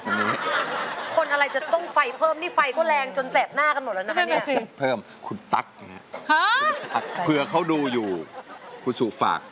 คนอะไรจะต้องไฟเพิ่มนี่ไฟก็แรงจนแสบหน้ากันหมดแล้วนะ